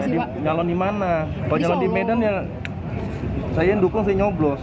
dikalon di mana kalau di medan ya saya yang dukung saya nyoblo